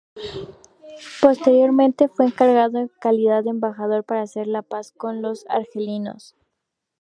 Posteriormente, fue encargado en calidad de embajador para hacer la paz con los argelinos.